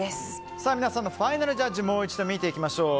皆さんのファイナルジャッジもう一度見ていきましょう。